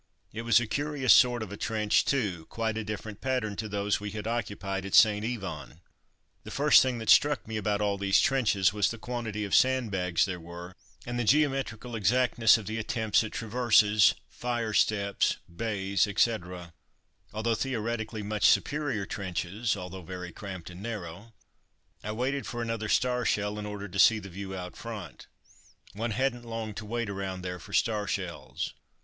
It was a curious sort of a trench too, quite a different pattern to those we had occupied at St. Yvon, The first thing that struck me about all these trenches was the quantity of sandbags there were, and the geometrical exactness of the attempts at traverses, fire steps, bays, etc. Altogether, theoretically, much superior trenches, although very cramped and narrow. I waited for another star shell in order to see the view out in front. One hadn't long to wait around there for star shells.